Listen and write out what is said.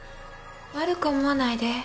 悪く思わないで。